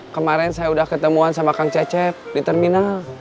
kemarin saya sudah ketemuan sama kang cecep di terminal